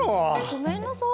ごめんなさい。